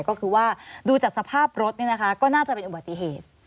ก็คือว่าดูจากสภาพรถก็น่าจะเป็นอุบัติเหตุ